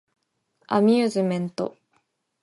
アミューズメント